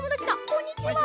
こんにちは。